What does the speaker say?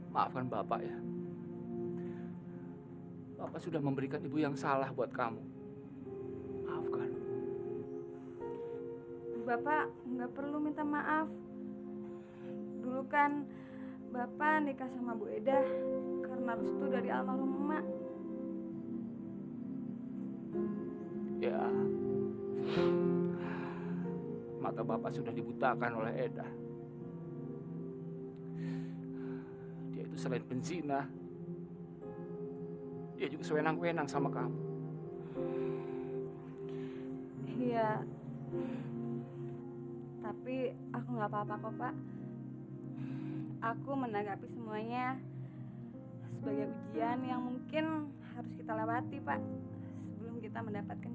mungkin besok allah akan ngasih kita kehidupan yang lebih baik